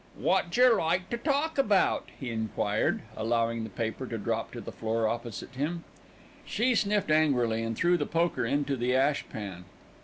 "Wot jer like to talk about?" he enquired, allowing the paper to drop to the floor opposite him. She sniffed angrily and threw the poker into the ash pan.